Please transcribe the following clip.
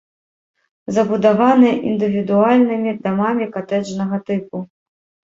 Забудаваны індывідуальнымі дамамі катэджнага тыпу.